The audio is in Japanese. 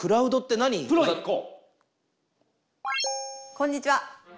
こんにちは。